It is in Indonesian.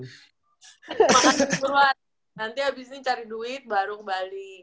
makasih surwan nanti habis ini cari duit baru ke bali